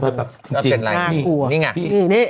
นี่เป็นอะไรนี่ไง